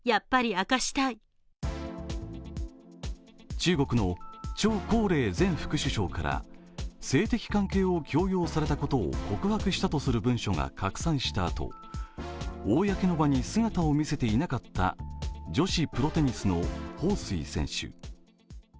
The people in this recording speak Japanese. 中国の張高麗前副首相から、性的関係を強要されたことを告白したとする文書が拡散したあと、公の場に姿を見せていなかった女子プロテニスの彭帥選手。